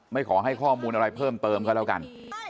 ขอให้ข้อมูลอะไรเพิ่มเติมก็แล้วกัน